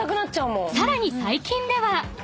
［さらに最近では］